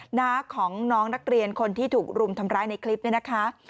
หน้าของน้องนักเรียนคนที่ถูกรุมทำร้ายในคลิปนี้นะคะ